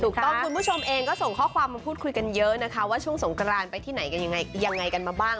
คุณผู้ชมเองก็ส่งข้อความมาพูดคุยกันเยอะนะคะว่าช่วงสงกรานไปที่ไหนกันยังไงกันมาบ้าง